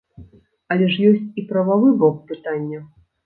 Але ж ёсць і прававы бок пытання.